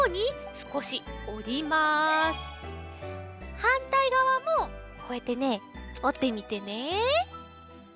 はんたいがわもこうやってねおってみてね。